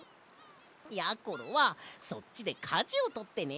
やころはそっちでかじをとってね。